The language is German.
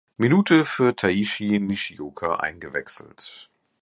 Minute für Taishi Nishioka eingewechselt.